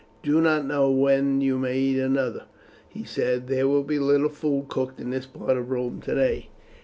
"You do not know when you may eat another," he said; "there will be little food cooked in this part of Rome today."